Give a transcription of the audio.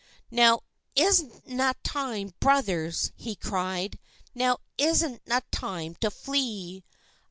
"Now, is't na time, brothers," he cried, "Now, is't na time to flee?"